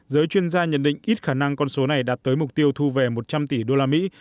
nơi chuyên gia nhận định ít khả năng con số này đạt tới mục tiêu thu về một trăm linh tỷ usd